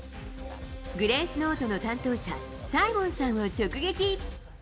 グレースノートの担当者、サイモンさんを直撃。